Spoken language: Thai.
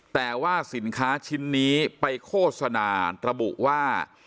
แต่ว่าสินค้าชิ้นนี้ไปโฆษณาระบุว่า